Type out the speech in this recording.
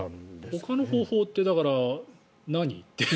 ほかの方法ってだから、何？